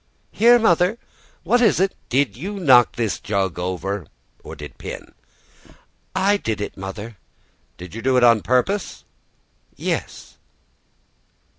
"Here, mother. What is it?" "Did you knock this jug over or did Pin?" "I did, mother." "Did you do it on purpose?" "Yes."